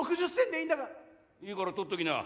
いいから取っときな。